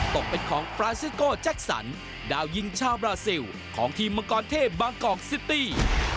ตกเป็นของฟราซิโก้แจ็คสันดาวยิงชาวบราซิลของทีมมังกรเทพบางกอกซิตี้